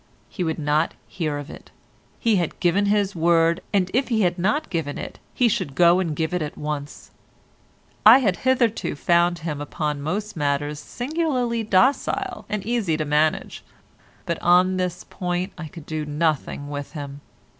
He would not hear of it; he had given his word, and if he had not given it he should go and give it at once. I had hitherto found him upon most matters singularly docile and easy to manage, but on this point I could do nothing with him.